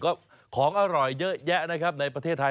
ก็ของอร่อยเยอะแยะนะครับในประเทศไทย